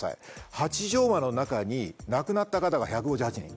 ８畳間の中に亡くなった方が１５８人。